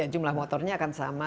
jumlah motornya akan sama